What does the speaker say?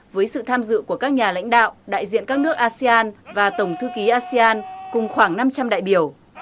với sự tham dự của các nhà lãnh đạo đại diện các nước asean và tổng thư ký asean cùng khoảng năm trăm linh đại biểu